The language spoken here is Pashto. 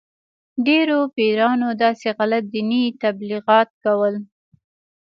ډېرو پیرانو داسې غلط دیني تبلیغات کول.